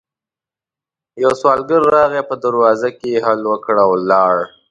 يو سوالګر راغی، په دروازه کې يې هل وکړ او ولاړ.